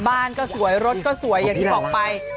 บ้านก็สวยรถก็สวยอย่างที่บอกไป